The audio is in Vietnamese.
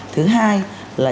thứ hai là